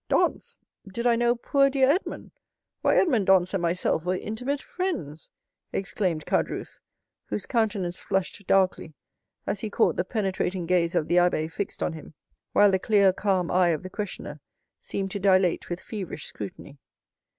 "Dantès? Did I know poor dear Edmond? Why, Edmond Dantès and myself were intimate friends!" exclaimed Caderousse, whose countenance flushed darkly as he caught the penetrating gaze of the abbé fixed on him, while the clear, calm eye of the questioner seemed to dilate with feverish scrutiny.